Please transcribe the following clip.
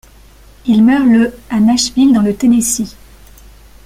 Il meurt le à Nashville dans le Tennessee.